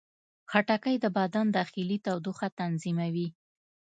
خټکی د بدن داخلي تودوخه تنظیموي.